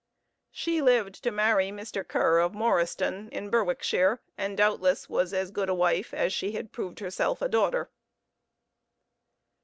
She lived to marry Mr. Ker, of Morriston, in Berwickshire, and doubtless was as good a wife as she had proved herself a daughter.